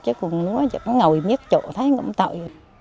chứ còn nó ngồi nhắc chỗ thấy cũng tội